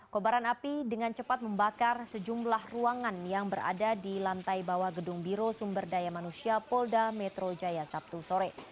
kobaran api dengan cepat membakar sejumlah ruangan yang berada di lantai bawah gedung biro sumber daya manusia polda metro jaya sabtu sore